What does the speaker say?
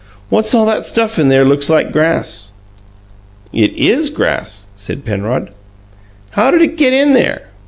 "What's all that stuff in there looks like grass?" "It IS grass," said Penrod. "How'd it get there?"